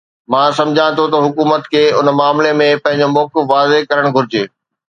مان سمجهان ٿو ته حڪومت کي ان معاملي ۾ پنهنجو موقف واضح ڪرڻ گهرجي.